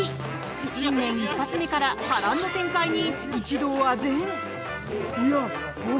新年一発目から波乱の展開に一同あぜん。